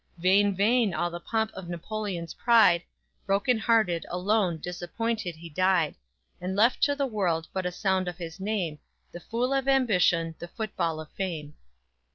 Vain, vain all the pomp of Napoleon's pride, Broken hearted, alone, disappointed he died, And left to the world but the sound of his name The fool of ambition, the football of fame!